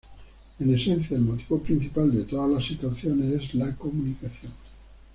En esencia, el motivo principal, en todas las situaciones, es la comunicación.